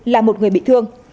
là một người bị thương